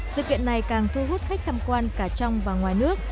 sự kiện này càng thu hút khách tham quan cả trong và ngoài nước